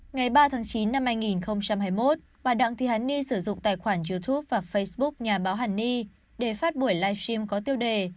ngày ba tháng chín năm hai nghìn hai mươi một bà đặng thị hàn ni sử dụng tài khoản youtube và facebook nhà báo hàn ni để phát buổi live stream có tiêu đề